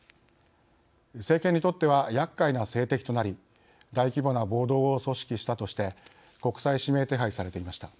政権にとってはやっかいな政敵となり大規模な暴動を組織したとして国際指名手配されていました。